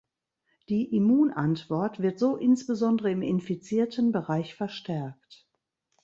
Die Immunantwort wird so insbesondere im infizierten Bereich verstärkt.